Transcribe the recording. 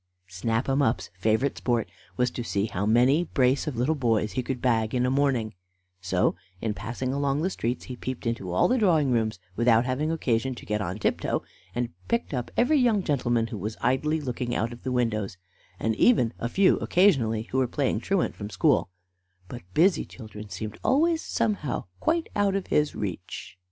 Snap 'em up's favorite sport was to see how many brace of little boys he could bag in a morning; so, in passing along the streets, he peeped into all the drawing rooms, without having occasion to get upon tiptoe, and picked up every young gentleman who was idly looking out of the windows, and even a few occasionally who were playing truant from school; but busy children seemed always somehow quite out of his reach.